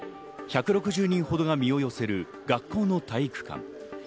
１６０人ほどが身を寄せる学校の体育館。